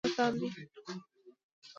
د میلوما د پلازما حجرو سرطان دی.